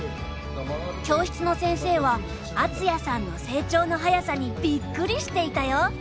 教室の先生は敦也さんの成長の早さにびっくりしていたよ。